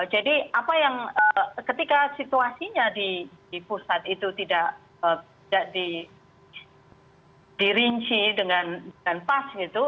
jadi apa yang ketika situasinya di pusat itu tidak dirinci dengan pas gitu